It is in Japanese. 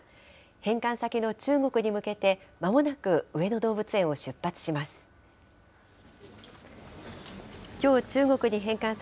返還先の中国に向けて、まもなく上野動物園を出発します。